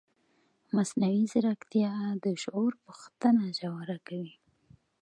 مصنوعي ځیرکتیا د شعور پوښتنه ژوره کوي.